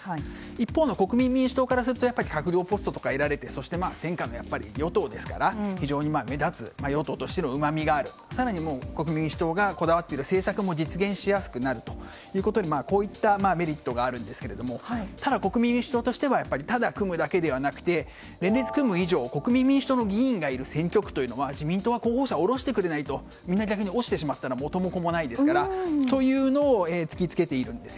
一方の国民民主党からすると閣僚ポストを得られてそして天下の与党ですから非常に目立つ与党としてのうまみがあり更に、国民民主党がこだわっている政策も実現しやすくなるということでこういったメリットがあるんですがただ、国民民主党としてはただ組むだけではなくて連立を組む以上、国民民主党の議員がいる選挙区というのは自民党は候補者を降ろしてくれないとみんな落ちてしまっては元も子もないですからそれを突きつけているんです。